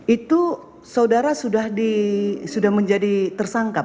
itu saudara sudah di sudah menjadi tersangkap